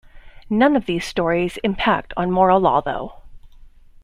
None of these stories impact on moral law though.